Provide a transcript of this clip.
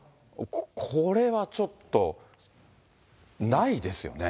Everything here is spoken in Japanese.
これはちょっとないですよね。